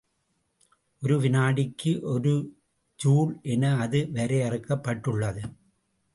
ஒரு வினாடிக்கு ஒரு ஜூல் என அது வரையறுக்கப்பட்டுள்ளது.